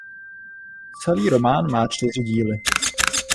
Celý román má čtyři díly.